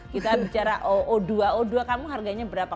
kita bicara oo dua o dua kamu harganya berapa